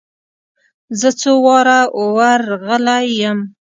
زه څو واره ور رغلى يم.